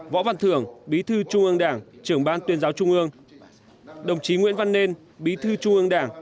võ văn thưởng bí thư trung ương đảng trưởng ban tuyên giáo trung ương đồng chí nguyễn văn nên bí thư trung ương đảng